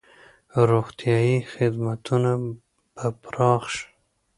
روغتیايي خدمتونه به پراخ شي.